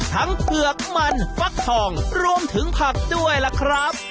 เผือกมันฟักทองรวมถึงผักด้วยล่ะครับ